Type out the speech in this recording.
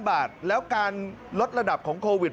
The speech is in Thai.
บาทแล้วการลดระดับของโควิด